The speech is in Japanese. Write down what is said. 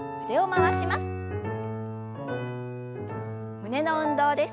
胸の運動です。